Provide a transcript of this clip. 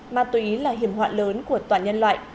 ma túy là hiểm họa lớn của toàn nhân loại